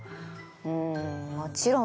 んもちろん